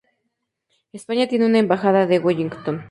España tienen una embajada en Wellington.